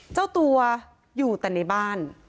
เจ้าตัวอยู่แต่ในบ้าน